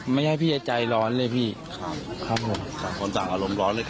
ไม่ให้พี่จะใจร้อนเลยพี่ครับครับผมต่างคนต่างอารมณ์ร้อนเลยครับ